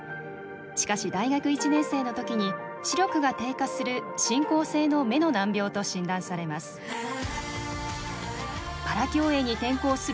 しかし、大学１年生のときに視力が低下する進行性の目の難病と診断されます。